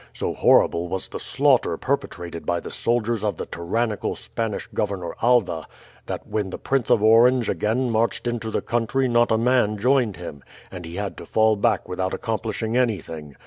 So horrible was the slaughter perpetrated by the soldiers of the tyrannical Spanish governor Alva, that when the Prince of Orange again marched into the country not a man joined him, and he had to fall back without accomplishing anything.